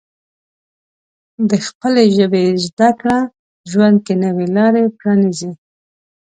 د خپلې ژبې زده کړه ژوند کې نوې لارې پرانیزي.